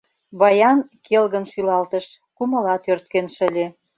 Баян келгын шӱлалтыш, кумылат ӧрткен шыле.